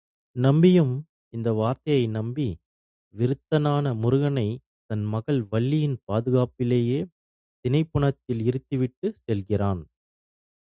நம்பியும் இந்த வார்த்தையை நம்பி, விருத்தனான முருகனை தன் மகள் வள்ளியின் பாதுகாப்பிலேயே தினைப்புனத்தில் இருத்திவிட்டுச் செல்கிறான்.